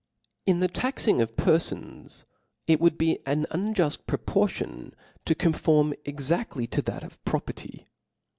In the taxing of perlbns, it would be an unjuft proportion to conform exactly to that of property.